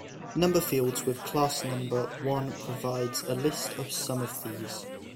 Number Fields with class number one provides a list of some of these.